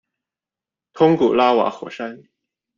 通古拉瓦火山。